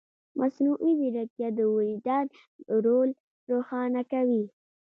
مصنوعي ځیرکتیا د وجدان رول روښانه کوي.